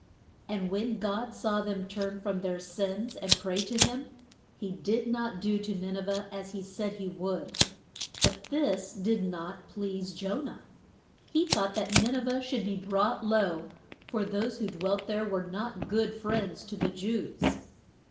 And when God saw them turn from their sins and pray to him, he did not do to Nin e veh as he said he would. But this did not please Jo nah. He thought that Nin e veh should be brought low, for those who dwelt there were not good friends to the Jews.